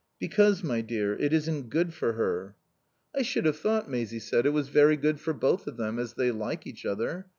"Because, my dear, it isn't good for her." "I should have thought," Maisie said, "it was very good for both of them, as they like each other.